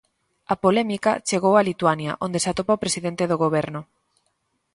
A polémica chegou a Lituania, onde se atopa o presidente do Goberno.